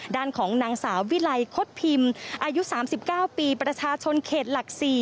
ด้านของนางสาววิลัยคดพิมพ์อายุ๓๙ปีประชาชนเขตหลัก๔